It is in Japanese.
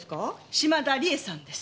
嶋田理恵さんです。